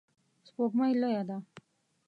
سپوږمۍ لویه ده